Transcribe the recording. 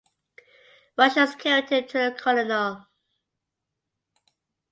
Russians carried him to the Colonel.